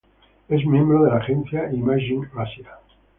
Es miembro de la agencia "Imagine Asia".